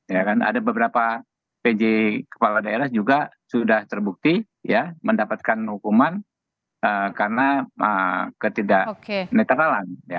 ya kan ada beberapa pj kepala daerah juga sudah terbukti ya mendapatkan hukuman karena ketidak netralan